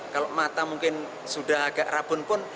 kalau mata mungkin sudah agak rabun pun